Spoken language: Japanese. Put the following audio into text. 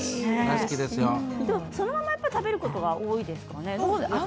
そのまま食べることが多いですかね。